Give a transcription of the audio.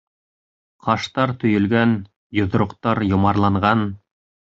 Ҡаштар төйөлгән, йоҙроҡтар йомарланған.